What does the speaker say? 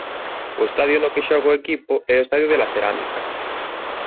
O estadio no que xoga o equipo é o estadio de la Cerámica.